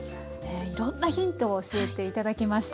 いろんなヒントを教えていただきました。